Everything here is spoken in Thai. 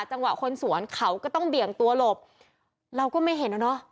จังหวะคนสวนเขาก็ต้องเบี่ยงตัวหลบเราก็ไม่เห็นแล้วเนอะ